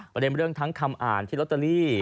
ประเด็นเรื่องทั้งคำอ่านที่ลอตเตอรี่